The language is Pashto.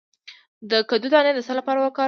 د کدو دانه د څه لپاره وکاروم؟